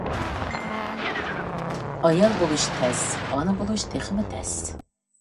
ئايال بولۇش تەس، ئانا بولۇش تېخىمۇ تەس.